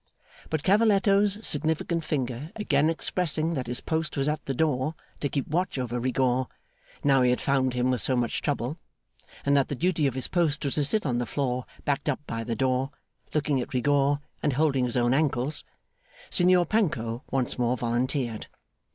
But, Cavalletto's significant finger again expressing that his post was at the door to keep watch over Rigaud, now he had found him with so much trouble, and that the duty of his post was to sit on the floor backed up by the door, looking at Rigaud and holding his own ankles, Signor Panco once more volunteered.